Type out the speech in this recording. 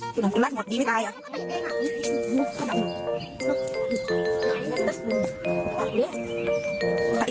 ต้องเอาออกให้ได้